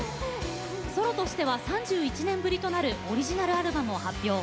ソロとしては３１年ぶりとなるオリジナルアルバムを発表。